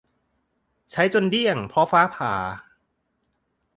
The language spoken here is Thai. ใช้จนเดี้ยงเพราะฟ้าผ่า